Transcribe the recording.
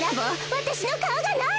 わたしのかおがない！